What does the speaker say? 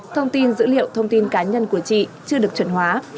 thông tin dữ liệu thông tin cá nhân của chị chưa được chuẩn hóa